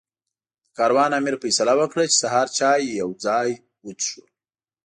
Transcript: د کاروان امیر فیصله وکړه چې سهار چای یو ځای وڅښو.